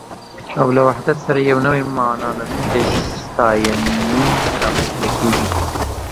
او له وحدت سره يې نوې مانا لرونکی ستاينوم رامنځته کېږي